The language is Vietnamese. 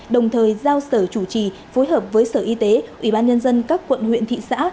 đồng thời giao sở chủ trì phối hợp với sở y tế ủy ban nhân dân các quận huyện thị xã